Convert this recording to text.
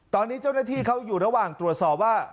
ตอนนี้เจ้าหน้าที่เขามีตัวสอบว่า